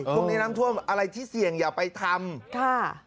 พวกนี้น้ำท่วมอะไรที่เสี่ยงอย่าไปทำ